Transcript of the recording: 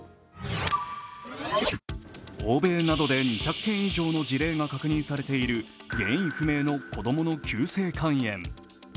欧米などで２００件以上の事例が確認されている原因不明の子供の急性肝炎。